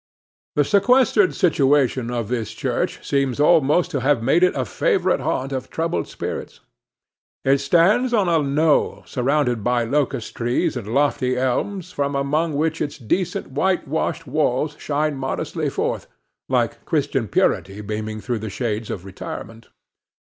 The sequestered situation of this church seems always to have made it a favorite haunt of troubled spirits. It stands on a knoll, surrounded by locust trees and lofty elms, from among which its decent, whitewashed walls shine modestly forth, like Christian purity beaming through the shades of retirement.